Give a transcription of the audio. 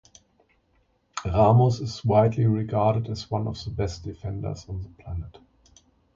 Ramos is widely regarded as one of the best defenders on the planet.